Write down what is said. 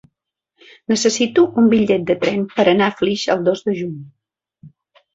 Necessito un bitllet de tren per anar a Flix el dos de juny.